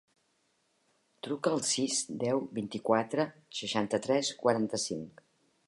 Truca al sis, deu, vint-i-quatre, seixanta-tres, quaranta-cinc.